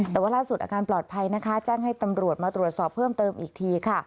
แต่ว่าล่าสุดอาการปลอดภัยนะคะแจ้งให้ตำรวจมาตรวจสอบเพิ่มเติมอีกทีค่ะ